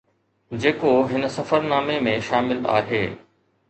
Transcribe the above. جيڪو هن سفرنامي ۾ شامل آهي